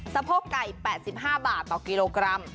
สะโพกไก่๘๕บาทต่อกิโลกรัม